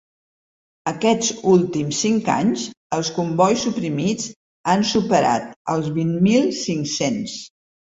Aquests últims cinc anys, els combois suprimits han superat els vint mil cinc-cents.